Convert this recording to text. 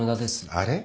あれ？